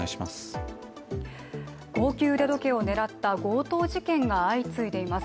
高級腕時計を狙った強盗事件が相次いでいます。